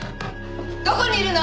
どこにいるの？